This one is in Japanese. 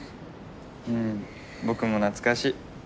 うん僕も懐かしい。